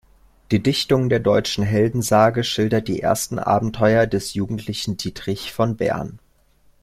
Die Dichtung der deutschen Heldensage schildert die ersten Abenteuer des jugendlichen Dietrich von Bern.